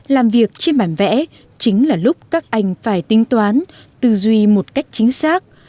làm việc trên bản vẽ chính là lúc các anh phải tính toán tư duy một cách chính xác